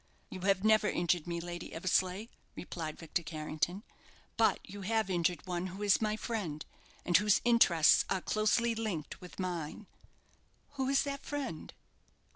"You have never injured me, Lady Eversleigh," replied Victor Carrington; "but you have injured one who is my friend, and whose interests are closely linked with mine." "Who is that friend?"